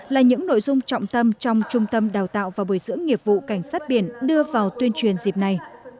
là những nội dung trọng tâm trong trung tâm đào tạo và bồi dưỡng nghiệp vụ cảnh sát biển đưa vào tuyên truyền dịp này